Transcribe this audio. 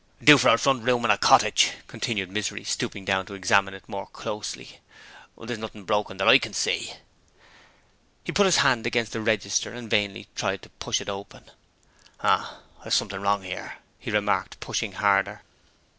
'Do for a front room in a cottage,' continued Misery, stooping down to examine it more closely. 'There's nothing broke that I can see.' He put his hand against the register and vainly tried to push it open. 'H'm, there's something wrong 'ere,' he remarked, pushing harder.